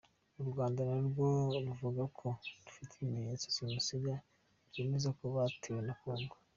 U Rwanda na rwo ruvuga ko rufite ibimenyetso simusiga byemeza ko batewe na Kongo.